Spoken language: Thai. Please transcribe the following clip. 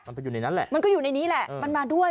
มันไปอยู่ในนั้นแหละมันก็อยู่ในนี้แหละมันมาด้วย